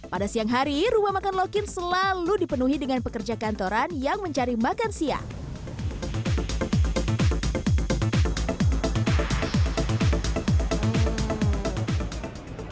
pada siang hari rumah makan lokin selalu dipenuhi dengan pekerja kantoran yang mencari makan siang